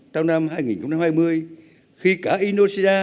trong năm hai nghìn hai mươi khi cả indonesia